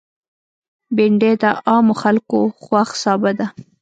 بېنډۍ د عامو خلکو خوښ سابه ده